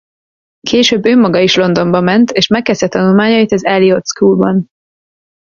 Később ő maga is Londonba ment és megkezdte tanulmányait az Elliott Schoolban.